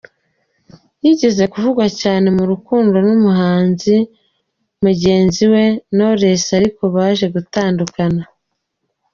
Yigeze kuvugwa cyane mu rukundo n’umuhanzi mugenzi we Knolwess ariko baje gutandukana.